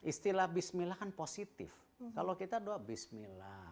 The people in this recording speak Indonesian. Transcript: istilah bismillah kan positif kalau kita doa bismillah